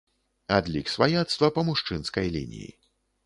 Адлік сваяцтва па мужчынскай лініі.